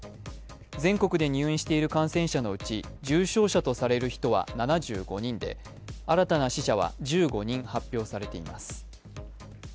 全国で入院している感染者のうち、重症者とされる人は７５人で新たな死者は１５人発表されています。